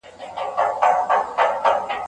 ستا د خپلواک هيواد پوځ، نيم ناست نيم ولاړ